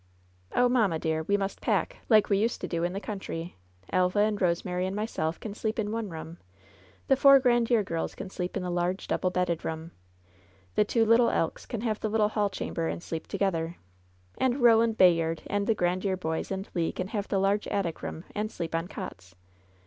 "Oh, mamma, dear, we must pack, like we used to do in the country. Elva and Rosemary and myself can sleep in one room. The four Grandiere girls can sleep in the large double bedded room. The two little Elks can have the little hall chamber and sleep together. And Eoland Bayard and the Grandiere boys and Le can have the large attic room, and sleep on cots.